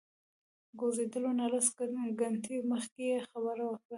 د کوزیدلو نه لس ګنټې مخکې یې خبره وکړه.